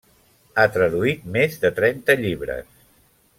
Ha traduït més de trenta llibres.